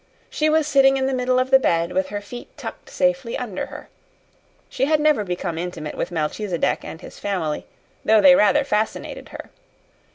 She was sitting in the middle of the bed, with her feet tucked safely under her. She had never become intimate with Melchisedec and his family, though they rather fascinated her.